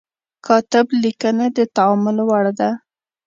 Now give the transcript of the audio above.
کاتب لیکنه د تأمل وړ ده.